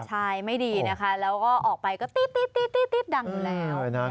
ใช่ไม่ดีนะคะแล้วก็ออกไปก็ตี๊ดดังอยู่แล้ว